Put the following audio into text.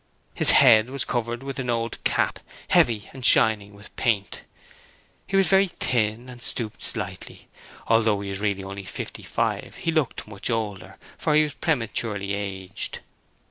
His head was covered with an old cap, heavy and shining with paint. He was very thin and stooped slightly. Although he was really only fifty five, he looked much older, for he was prematurely aged.